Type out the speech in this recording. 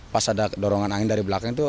pas ada dorongan angin dari belakang itu